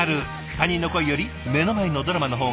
他人の恋より目の前のドラマの方が大事。